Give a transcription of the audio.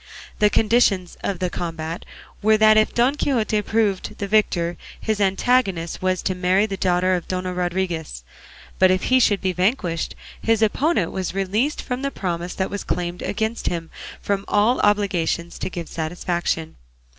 The conditions of the combat were that if Don Quixote proved the victor his antagonist was to marry the daughter of Dona Rodriguez; but if he should be vanquished his opponent was released from the promise that was claimed against him and from all obligations to give satisfaction.